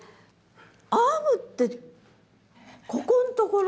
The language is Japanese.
編むってここんところ？